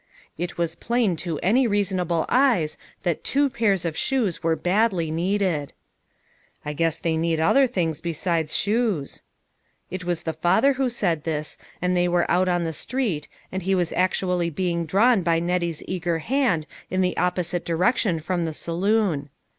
It was plain to any reasonable eyes that two pairs of shoes were badly needed. " I guess they need other things besides shoes." It was the father who said this, and they were out on the street, and he was actually being drawn by Nettie's eager hand in the opposite direction from the saloon.